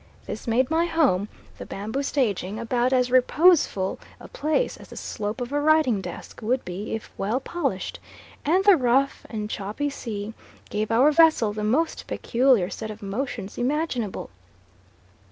This made my home, the bamboo staging, about as reposeful a place as the slope of a writing desk would be if well polished; and the rough and choppy sea gave our vessel the most peculiar set of motions imaginable.